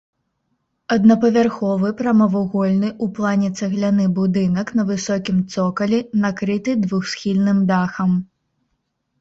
Аднапавярховы прамавугольны ў плане цагляны будынак на высокім цокалі, накрыты двухсхільным дахам.